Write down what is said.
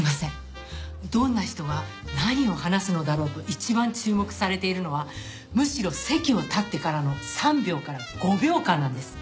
どんな人が何を話すのだろうと一番注目されているのはむしろ席を立ってからの３秒から５秒間なんです。